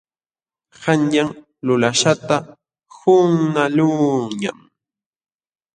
Qanyan lulaśhqata qunqaqluuñam.